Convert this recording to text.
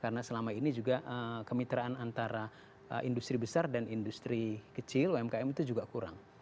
karena selama ini juga kemitraan antara industri besar dan industri kecil umkm itu juga kurang